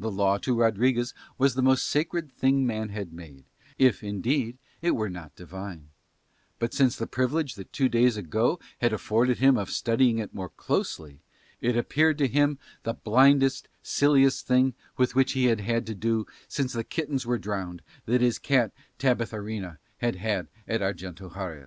The law to Rodriguez was the most sacred thing man had made, if indeed it were not divine; but since the privilege that two days ago had afforded him of studying it more closely, it appeared to him the blindest, silliest thing with which he had had to do since the kittens were drowned that his cat Tabitharina had had at Arguento Harez.